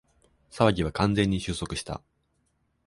騒ぎは完全に収束した